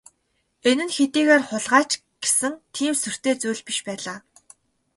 Энэ нь хэдийгээр хулгай ч гэсэн тийм сүртэй зүйл биш байлаа.